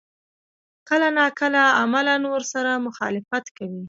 کله نا کله عملاً ورسره مخالفت کوي.